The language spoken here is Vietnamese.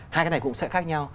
hai cái này cũng sẽ khác nhau